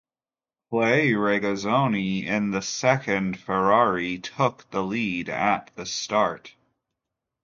Clay Regazzoni in the second Ferrari took the lead at the start.